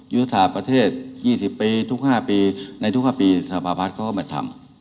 ยุทธศาสตร์ประเทศ๒๐ปีทุก๕ปีในทุก๕ปีสภาพัฒน์เขาก็มาทำ